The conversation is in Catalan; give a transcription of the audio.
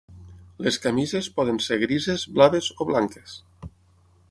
Les camises poden ser grises, blaves o blanques.